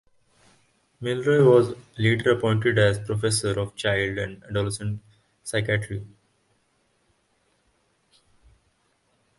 Milroy was later appointed as professor of child and adolescent psychiatry.